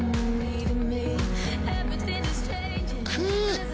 くっ